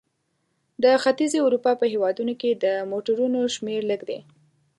د ختیځې اروپا په هېوادونو کې د موټرونو شمیر لږ دی.